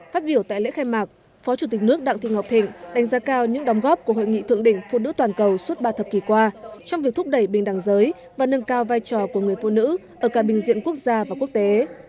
phát biểu tại lễ khai mạc phó chủ tịch nước đặng thị ngọc thịnh đánh giá cao những đóng góp của hội nghị thượng đỉnh phụ nữ toàn cầu suốt ba thập kỷ qua trong việc thúc đẩy bình đẳng giới và nâng cao vai trò của người phụ nữ ở cả bình diện quốc gia và quốc tế